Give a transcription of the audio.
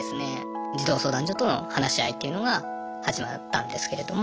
児童相談所との話し合いっていうのが始まったんですけれども。